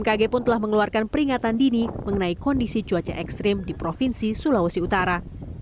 bmkg pun telah mengeluarkan peringatan dini mengenai kondisi cuaca ekstrim di provinsi sulawesi utara